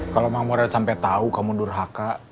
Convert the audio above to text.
kalau mak mora sampai tahu kamu durhaka